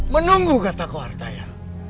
menunggu kata kuartaya